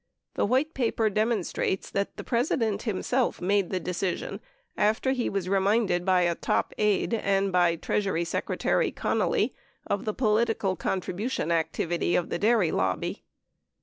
The White Paper demonstrates that the President himself made the decision after he was reminded by a top aide and by Treasury Secretary Connally of the political contribution activity of the dairy lobby.